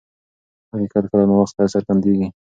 حقیقت کله ناوخته څرګندیږي.